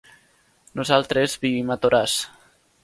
Nosaltres vivim a Toràs.